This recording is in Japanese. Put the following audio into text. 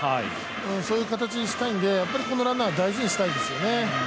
そういう形にしたいのでこのランナーは大事にしたいですね。